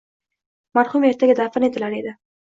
Marhum ertaga dafn etilar edi.